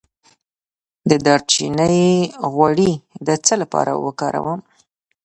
د دارچینی غوړي د څه لپاره وکاروم؟